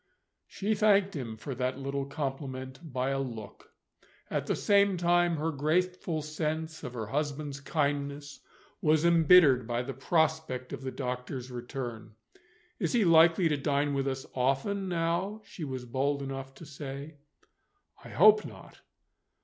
She thanked him for that little compliment by a look. At the same time, her grateful sense of her husband's kindness was embittered by the prospect of the doctor's return. "Is he likely to dine with us often, now?" she was bold enough to say. "I hope not."